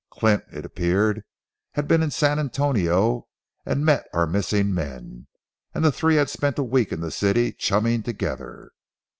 Clint, it appeared, had been in San Antonio and met our missing men, and the three had spent a week in the city chumming together.